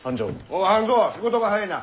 おお半蔵仕事が早いな。